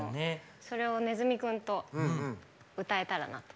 それをねずみ君と歌えたらなと。